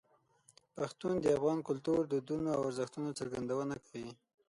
پښتو د افغان کلتور، دودونو او ارزښتونو څرګندونه کوي.